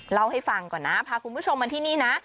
เล่าให้ฟังก่อนนะพาคุณผู้ชมมาที่นี่นะ